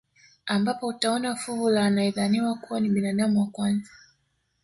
Ambapo utaona fuvu la anayedhaniwa kuwa ni binadamu wa kwanza